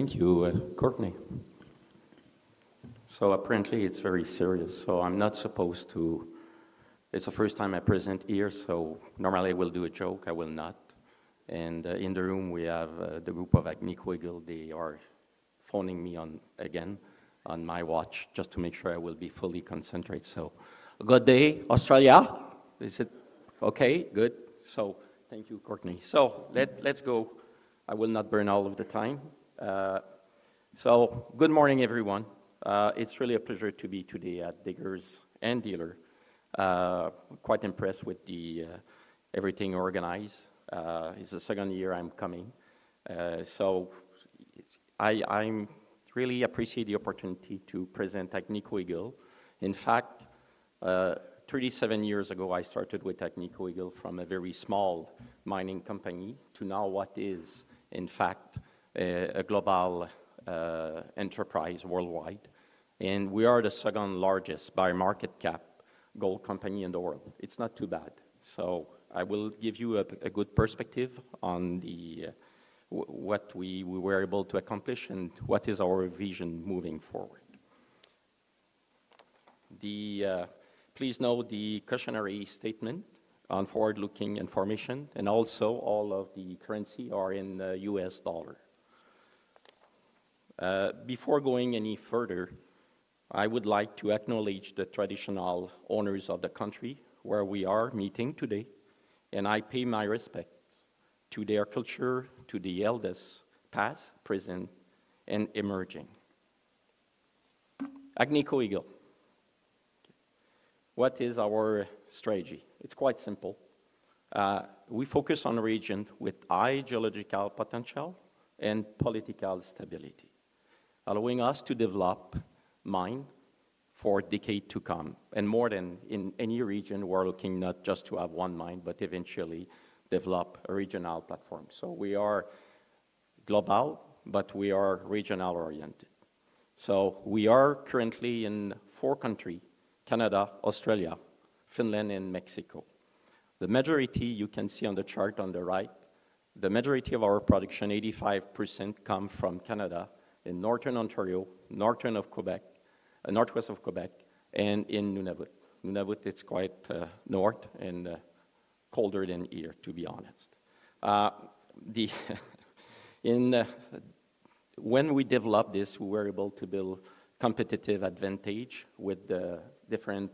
Thank you, Courtney. Apparently, it's very serious. I'm not supposed to, it's the first time I present here. Normally, I would do a joke. I will not. In the room, we have the group of Agnico Eagle. They are phoning me again on my watch just to make sure I will be fully concentrated. Good day, Australia. They said, OK, good. Thank you, Courtney. Let's go. I will not burn all of the time. Good morning, everyone. It's really a pleasure to be today at Diggers and Dealers. Quite impressed with everything organized. It's the second year I'm coming. I really appreciate the opportunity to present Agnico Eagle. In fact, 37 years ago, I started with Agnico Eagle from a very small mining company to now what is, in fact, a global enterprise worldwide. We are the second largest by market capitalization gold company in the world. It's not too bad. I will give you a good perspective on what we were able to accomplish and what is our vision moving forward. Please note the cautionary statement on forward-looking information. Also, all of the currency are in the U.S. dollar. Before going any further, I would like to acknowledge the traditional owners of the country where we are meeting today. I pay my respects to their culture, to the eldest past, present, and emerging. Agnico Eagle, what is our strategy? It's quite simple. We focus on a region with high geological potential and political stability, allowing us to develop mines for decades to come. More than in any region, we're looking not just to have one mine, but eventually develop a regional platform. We are global, but we are regional-oriented. We are currently in four countries: Canada, Australia, Finland, and Mexico. The majority, you can see on the chart on the right, the majority of our production, 85%, comes from Canada and northern Ontario, northern Quebec, northwest Quebec, and in Nunavut. Nunavut, it's quite north and colder than here, to be honest. When we developed this, we were able to build a competitive advantage with the different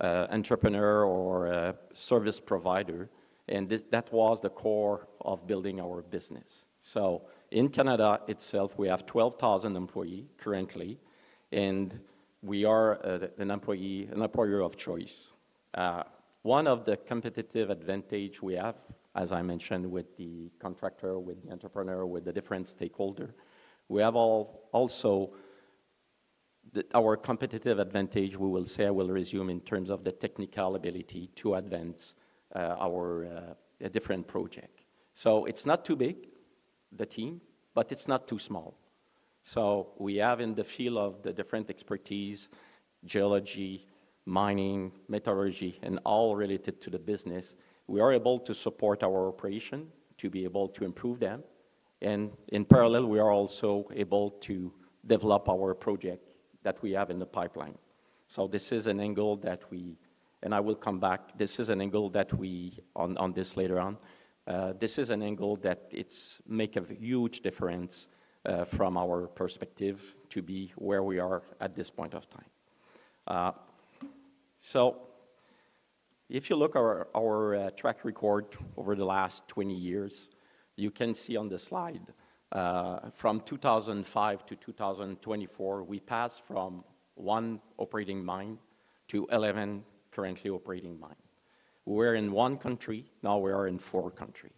entrepreneurs or service providers. That was the core of building our business. In Canada itself, we have 12,000 employees currently. We are an employer of choice. One of the competitive advantages we have, as I mentioned, with the contractor, with the entrepreneur, with the different stakeholders, we have also our competitive advantage, we will say, I will resume in terms of the technical ability to advance our different projects. It's not too big, the team, but it's not too small. We have in the field of the different expertise, geology, mining, metallurgy, and all related to the business, we are able to support our operation to be able to improve them. In parallel, we are also able to develop our projects that we have in the pipeline. This is an angle that we, and I will come back, this is an angle that we, on this later on, this is an angle that makes a huge difference from our perspective to be where we are at this point of time. If you look at our track record over the last 20 years, you can see on the slide from 2005-2024, we passed from one operating mine to 11 currently operating mines. We were in one country. Now we are in four countries.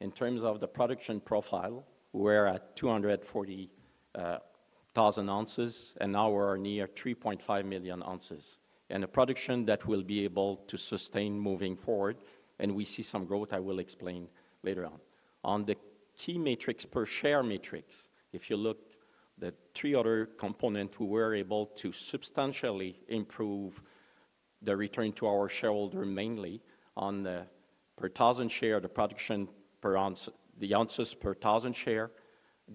In terms of the production profile, we're at 240,000 oz, and now we're near 3.5 million oz. The production that we'll be able to sustain moving forward, and we see some growth I will explain later on. On the key metrics, per share metrics, if you look at the three other components, we were able to substantially improve the return to our shareholders mainly on the per 1,000 share, the production per ounce, the ounces per 1,000 share,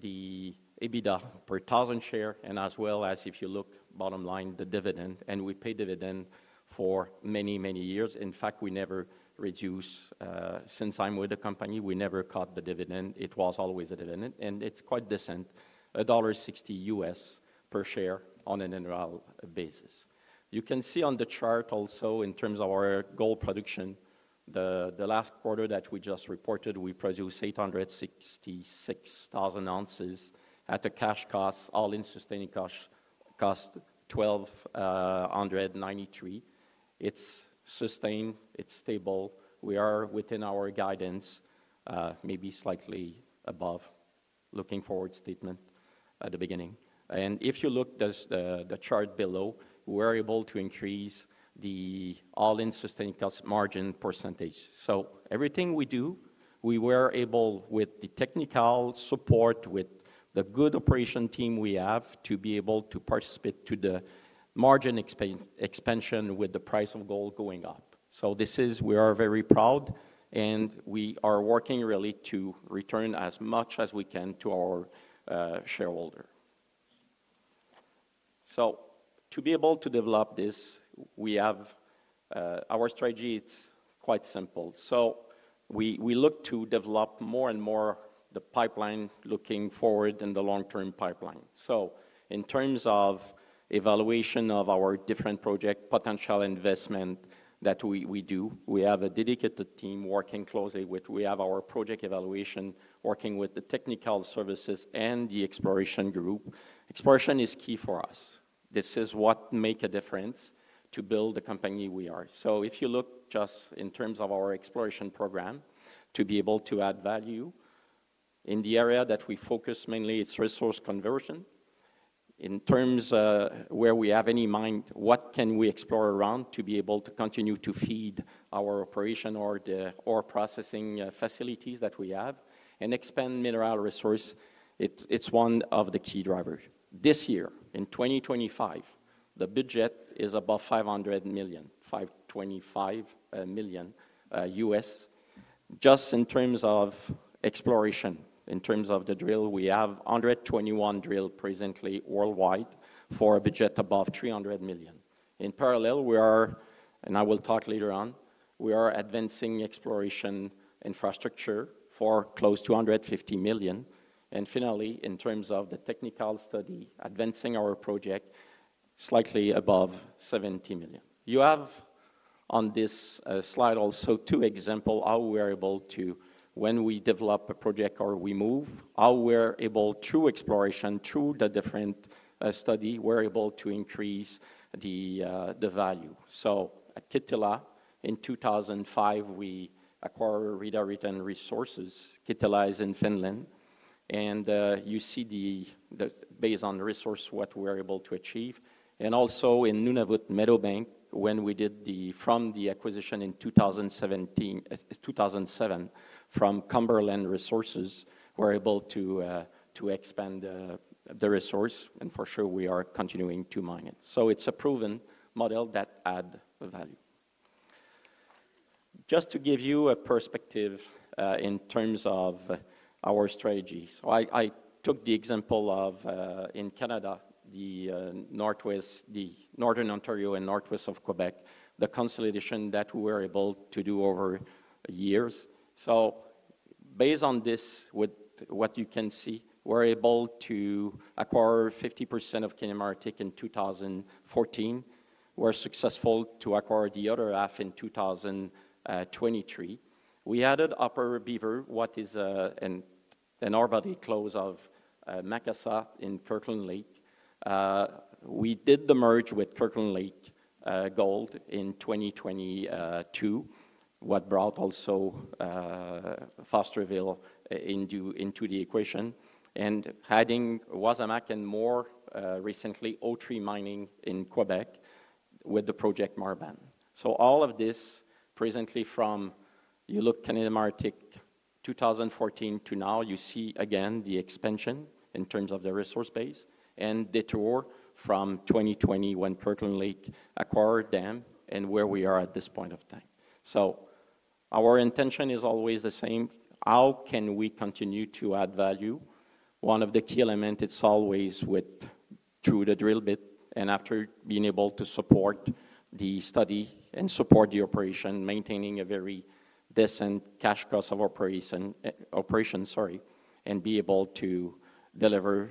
the EBITDA per 1,000 share, and as well as if you look at bottom line, the dividend. We pay dividends for many, many years. In fact, we never reduced since I'm with the company. We never cut the dividend. It was always a dividend. It's quite decent, $1.60 U.S. per share on an annual basis. You can see on the chart also in terms of our gold production, the last quarter that we just reported, we produced 866,000 oz at the cash cost, all-in sustaining cost, 1,293. It's sustained. It's stable. We are within our guidance, maybe slightly above looking forward statement at the beginning. If you look at the chart below, we're able to increase the all-in sustaining cost margin percentage. Everything we do, we were able, with the technical support, with the good operation team we have, to be able to participate in the margin expansion with the price of gold going up. We are very proud, and we are working really to return as much as we can to our shareholders. To be able to develop this, we have our strategy. It's quite simple. We look to develop more and more the pipeline looking forward in the long-term pipeline. In terms of evaluation of our different project potential investment that we do, we have a dedicated team working closely with. We have our project evaluation working with the technical services and the exploration group. Exploration is key for us. This is what makes a difference to build the company we are. If you look just in terms of our exploration program, to be able to add value in the area that we focus mainly, it's resource conversion. In terms of where we have any mines, what can we explore around to be able to continue to feed our operation or the processing facilities that we have and expand mineral resources, it's one of the key drivers. This year, in 2025, the budget is above $500 million-$525 million U.S. just in terms of exploration. In terms of the drill, we have 121 drills presently worldwide for a budget above 300 million. In parallel, we are, and I will talk later on, we are advancing exploration infrastructure for close to 150 million. Finally, in terms of the technical study, advancing our project slightly above 70 million. You have on this slide also two examples of how we're able to, when we develop a project or we move, how we're able through exploration, through the different studies, we're able to increase the value. At Kittilä, in 2005, we acquired read or written resources. Kittilä is in Finland. You see the base on resources, what we're able to achieve. Also in Nunavut Meadowbank, when we did the acquisition in 2007, from Cumberland Resources, we were able to expand the resource. For sure, we are continuing to mine it. It's a proven model that adds value. Just to give you a perspective in terms of our strategy, I took the example of in Canada, the northern Ontario and northwest of Quebec, the consolidation that we were able to do over years. Based on this, what you can see, we were able to acquire 50% of [Yamana] in 2014. We were successful to acquire the other half in 2023. We added Upper Beaver, what is an arbiter close of Macassa in Kirkland Lake. We did the merge with Kirkland Lake Gold in 2022, what brought also Fosterville into the equation. Adding Wasamac and more recently, O3 Mining in Quebec with the Project Marban. All of this presently from, you look at Canadian Malartic 2014 to now, you see again the expansion in terms of the resource base and the detour from 2020 when Kirkland Lake Gold acquired them and where we are at this point of time. Our intention is always the same. How can we continue to add value? One of the key elements is always through the drill bit. After being able to support the study and support the operation, maintaining a very decent cash cost of operation, sorry, and be able to deliver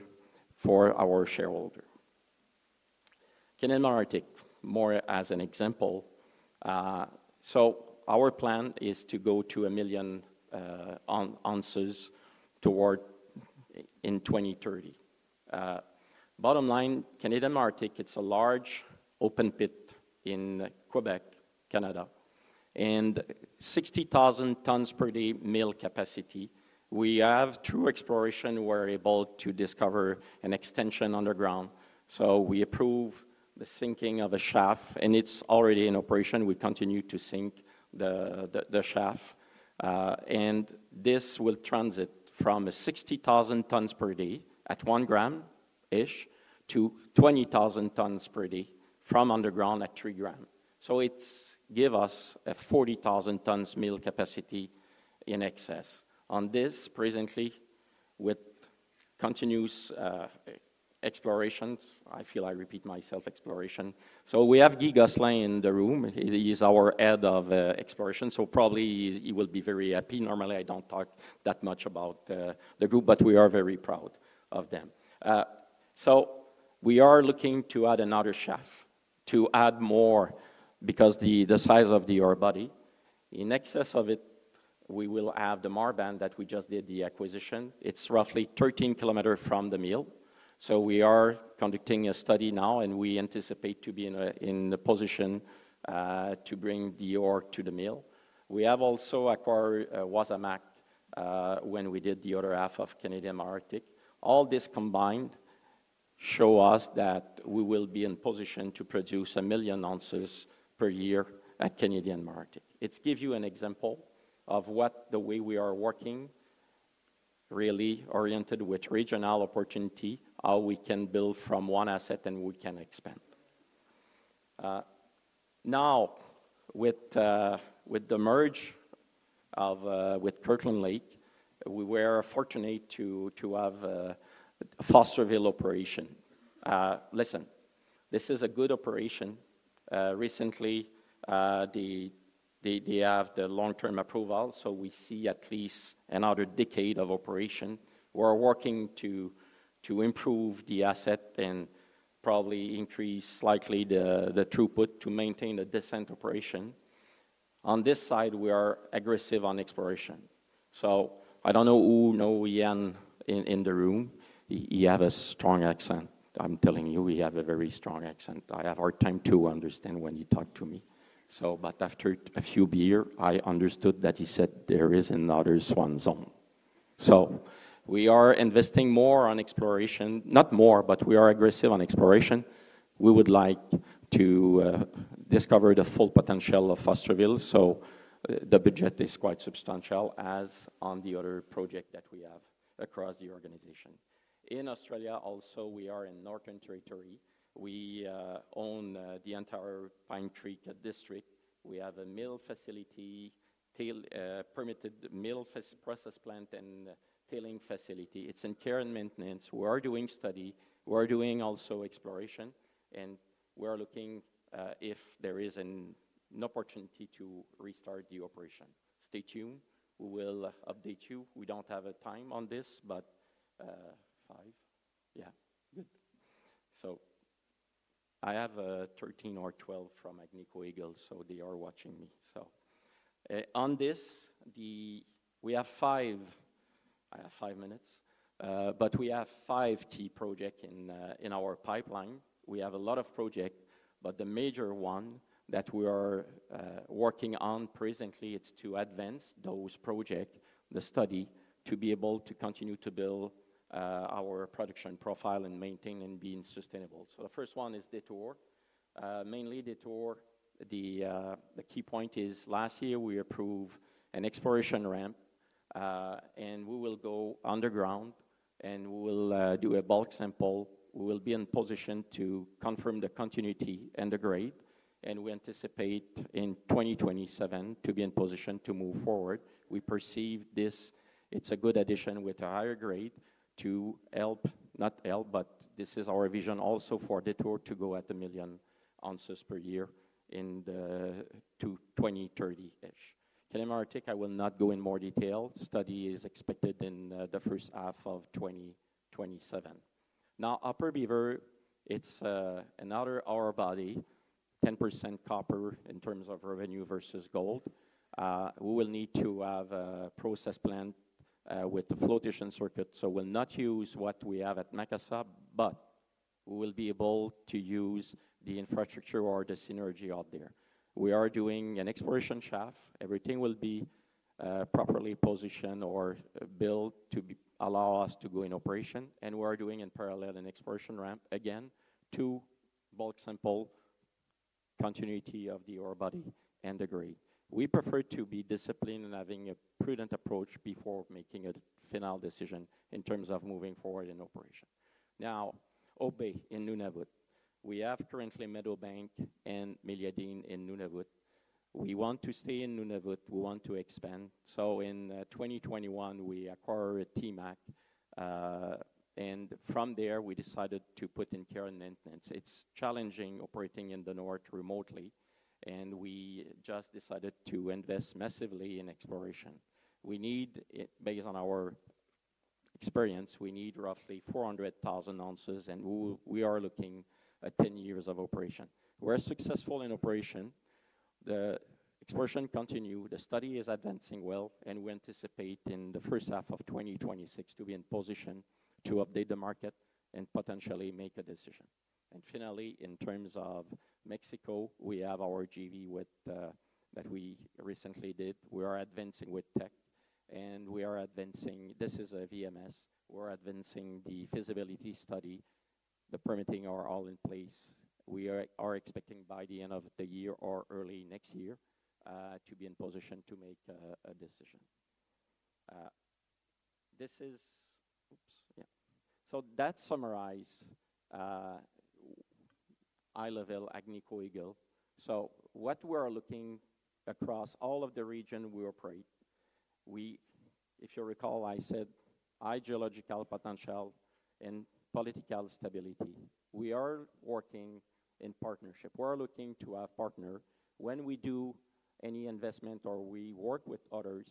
for our shareholders. Canadian Malartic, more as an example. Our plan is to go to a million oz in 2030. Bottom line, Canadian Malartic, it's a large open pit in Quebec, Canada, and 60,000 tons per day mill capacity. We have, through exploration, been able to discover an extension underground. We approved the sinking of a shaft, and it's already in operation. We continue to sink the shaft, and this will transit from 60,000 tons per day at 1 gram-ish to 20,000 tons per day from underground at 3 g. It gives us a 40,000 tons mill capacity in excess. On this presently, with continuous explorations, I feel I repeat myself, exploration. We have Guy Gosselin in the room. He is our Head of Exploration, so probably he will be very happy. Normally, I don't talk that much about the group, but we are very proud of them. We are looking to add another shaft to add more because of the size of the orebody. In excess of it, we will add the Marban Project that we just did the acquisition. It's roughly 13 km from the mill, so we are conducting a study now, and we anticipate to be in a position to bring the ore to the mill. We have also acquired Wasamac when we did the other half of Canadian Malartic. All this combined shows us that we will be in a position to produce a million ounces per year at Canadian Malartic. It gives you an example of the way we are working, really oriented with regional opportunity, how we can build from one asset and we can expand. Now, with the merge with Kirkland Lake Gold, we were fortunate to have a Fosterville mine operation. Listen, this is a good operation. Recently, they have the long-term approval, so we see at least another decade of operation. We're working to improve the asset and probably increase slightly the throughput to maintain a decent operation. On this side, we are aggressive on exploration. I don't know who knows Ian in the room. He has a strong accent. I'm telling you, he has a very strong accent. I have a hard time to understand when he talks to me. After a few beers, I understood that he said there is another one zone. We are investing more on exploration, not more, but we are aggressive on exploration. We would like to discover the full potential of Fosterville. The budget is quite substantial, as on the other projects that we have across the organization. In Australia, we are in Northern Territory. We own the entire Pine Creek District. We have a mill facility, a permitted mill process plant, and a tailing facility. It's in care and maintenance. We are doing study. We are doing also exploration. We're looking if there is an opportunity to restart the operation. Stay tuned. We will update you. We don't have a time on this, but five, yeah, good. I have 13 or 12 from Agnico Eagle. They are watching me. On this, we have five. I have five minutes. We have five key projects in our pipeline. We have a lot of projects. The major one that we are working on presently, it's to advance those projects, the study, to be able to continue to build our production profile and maintain and be sustainable. The first one is the detour. Mainly the detour. The key point is last year, we approved an exploration ramp. We will go underground. We will do a bulk sample. We will be in a position to confirm the continuity and the grade. We anticipate in 2027 to be in a position to move forward. We perceive this. It's a good addition with a higher grade to help, not help, but this is our vision also for the detour to go at a million ounces per year in the 2030-ish. [Yamana], I will not go in more detail. The study is expected in the first half of 2027. Now, Upper Beaver, it's another orebory, 10% copper in terms of revenue versus gold. We will need to have a process plant with the flotation circuit. We'll not use what we have at Macassa. We will be able to use the infrastructure or the synergy out there. We are doing an exploration shaft. Everything will be properly positioned or built to allow us to go in operation. We are doing in parallel an exploration ramp again to bulk sample, continuity of the arbory, and the grade. We prefer to be disciplined in having a prudent approach before making a final decision in terms of moving forward in operation. Now, Hope Bay in Nunavut. We have currently metal bank and Meliadine in Nunavut. We want to stay in Nunavut. We want to expand. In 2021, we acquired TMAC. From there, we decided to put in care and maintenance. It's challenging operating in the north remotely. We just decided to invest massively in exploration. Based on our experience, we need roughly 400,000 oz. We are looking at 10 years of operation. We're successful in operation. The exploration continues. The study is advancing well. We anticipate in the first half of 2026 to be in a position to update the market and potentially make a decision. In terms of Mexico, we have our JV that we recently did. We are advancing with Teck. We are advancing. This is a VMS. We're advancing the feasibility study. The permitting is all in place. We are expecting by the end of the year or early next year to be in a position to make a decision. That summarizes high-level Agnico Eagle. Across all of the regions we operate, if you recall, I said high geological potential and political stability. We are working in partnership. We're looking to have partners. When we do any investment or we work with others,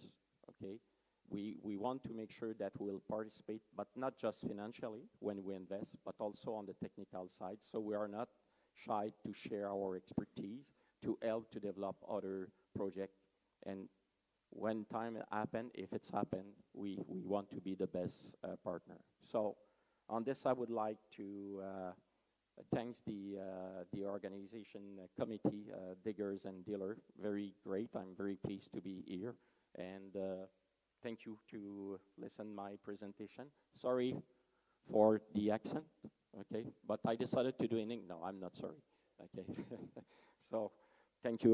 we want to make sure that we'll participate, but not just financially when we invest, but also on the technical side. We are not shy to share our expertise to help to develop other projects. When time happens, if it happens, we want to be the best partner. I would like to thank the organization committee, Diggers and Dealers. Very great. I'm very pleased to be here. Thank you for listening to my presentation. Sorry for the accent. OK, but I decided to do it anyway. No, I'm not sorry. OK, so thank you.